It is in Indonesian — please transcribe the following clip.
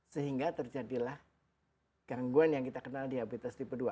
sehingga terjadilah gangguan yang kita kenal diabetes tipe dua